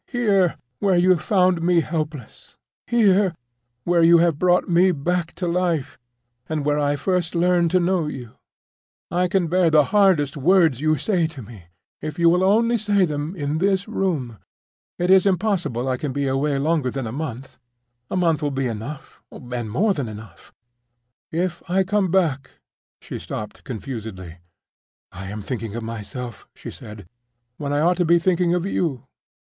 "Here, where you found me helpless—here, where you have brought me back to life, and where I have first learned to know you. I can bear the hardest words you say to me if you will only say them in this room. It is impossible I can be away longer than a month; a month will be enough and more than enough. If I come back—" She stopped confusedly. "I am thinking of myself," she said, "when I ought to be thinking of you.